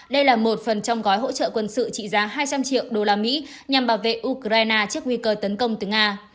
đây là một phần trong gói hỗ trợ quân sự trị giá hai trăm linh triệu usd nhằm bảo vệ ukraine trước nguy cơ tấn công từ nga